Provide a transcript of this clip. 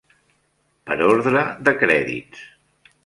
Per ordre de crèdits.